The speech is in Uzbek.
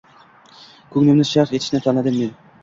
Ko‘nglimni sharh etishni tanladim men.